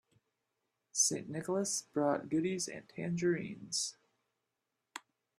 St. Nicholas brought goodies and tangerines.